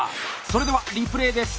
それではリプレーです！